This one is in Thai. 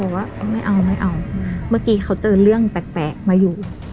เขาบอกว่าไม่เอาไม่เอาอืมเมื่อกี้เขาเจอเรื่องแปลกแปลกมาอยู่